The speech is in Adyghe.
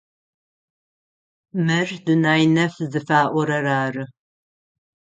Мыр Дунай нэф зыфаӏорэр ары.